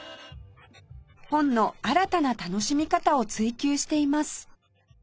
本の新たな楽しみ方を追求しています